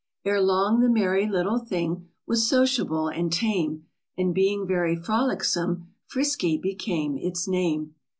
Ere long the merry little thing Was sociable and tame, And being very frolicsome, " Frisky" became its name.